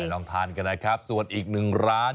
ไปลองทานกันนะครับส่วนอีก๑ร้าน